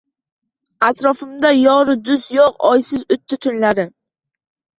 Atrofimda yori dust yuq oysiz utdi tunlarim